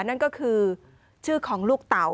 นั่นก็คือชื่อของลูกเต๋า